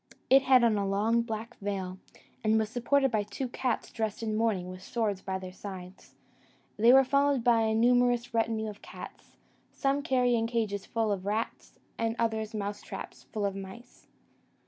It had on a long black veil, and was supported by two cats dressed in mourning and with swords by their sides: they were followed by a numerous retinue of cats, some carrying cages full of rats, and others mouse traps full of mice.